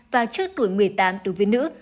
và trước tuổi một mươi tám đối với nữ